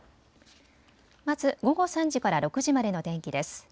まず午後３時から６時までの天気です。